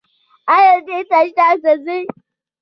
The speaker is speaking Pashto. ایا ډیر تشناب ته ځئ؟